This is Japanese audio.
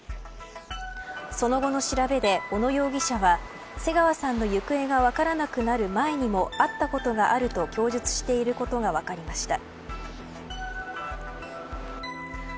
その後の調べで、小野容疑者は瀬川さんの行方が分からなくなる前にも会ったことがあると供述していることが分かりました。